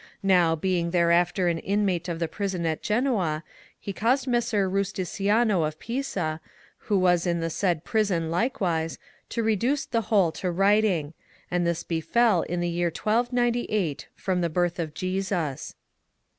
Now, being thereafter an inmate of the Prison at Genoa, he caused Messer Rusticiano of Pisa, who was in the said Prison likewise, to reduce the whole to writing; and this befell in the year 1298 from the birth of jesus.